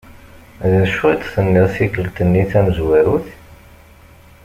Dacu i d-tenniḍ tikkelt-nni tamezwarut?